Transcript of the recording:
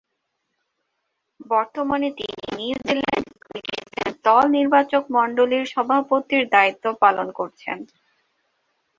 বর্তমানে তিনি নিউজিল্যান্ড ক্রিকেটে দল নির্বাচকমণ্ডলীর সভাপতির দায়িত্ব পালন করছেন।